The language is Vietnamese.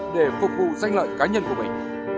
để phục vụ danh lợi cá nhân của mình